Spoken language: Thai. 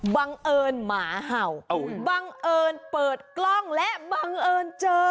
บังเอิญหมาเห่าบังเอิญเปิดกล้องและบังเอิญเจอ